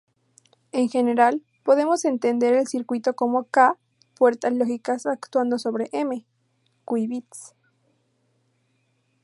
En general, podemos entender el circuito como "k" puertas lógicas actuando sobre "m" qubits.